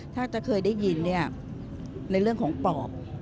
ถ้าจะเคยได้ยินเนี่ยในเรื่องของปอบ